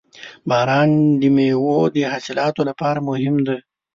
• باران د میوو د حاصلاتو لپاره مهم دی.